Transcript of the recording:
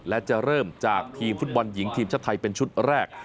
และจะเริ่มจากทีมฟุตบอลหญิงทีมชาติไทยเป็นชุดแรก